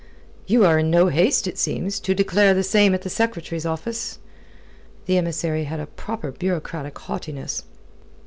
"You are in no haste, it seems, to declare the same at the Secretary's office." The emissary had a proper bureaucratic haughtiness.